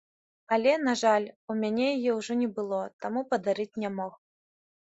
Але, на жаль, у мяне яе ўжо не было, таму падарыць не мог.